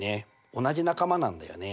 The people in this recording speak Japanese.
同じ仲間なんだよね。